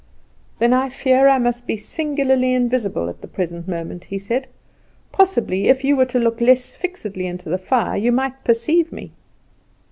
"Then I fear I must be singularly invisible at the present moment," he said. "Possibly if you were to look less fixedly into the fire you might perceive me."